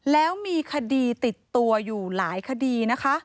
แล้วมีคดีติดตัวอยู่หลายคดีนะคะ